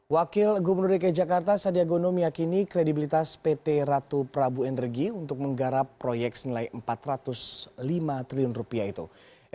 wakil gubernur dki jakarta sadia gono meyakini kredibilitas pt ratu prabu energi untuk menggarap proyek senilai rp empat ratus lima triliun